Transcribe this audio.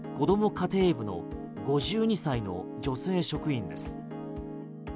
家庭部の５２歳の女性職員です。